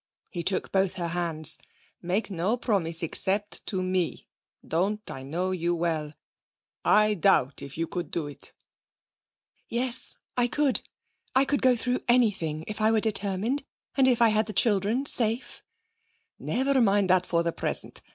He took both her hands. 'Make no promise, except to me. Don't I know you well? I doubt if you could do it.' 'Yes, I could! I could go through anything if I were determined, and if I had the children safe.' 'Never mind that for the present.